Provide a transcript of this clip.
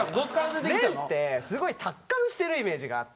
廉ってすごい達観してるイメージがあって。